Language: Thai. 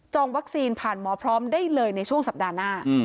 วัคซีนผ่านหมอพร้อมได้เลยในช่วงสัปดาห์หน้า